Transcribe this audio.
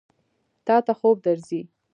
تا ته خوب درځي؟